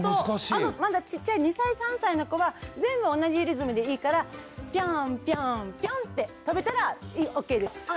まだちっちゃい２歳３歳の子は全部同じリズムでいいからピョンピョンピョン！って跳べたらＯＫです。